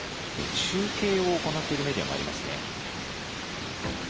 中継を行っているメディアもありますね。